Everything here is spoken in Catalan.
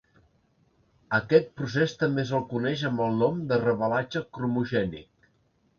A aquest procés també se'l coneix amb el nom de revelatge cromogènic.